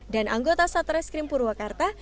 dan anggota satreskrim purwakarta